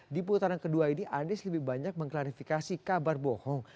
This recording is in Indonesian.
di putaran kedua ini anies lebih banyak mengklarifikasi kabar bohong